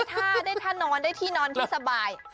เข้าแบบได้ท่านอนได้ที่นอนที่สบาย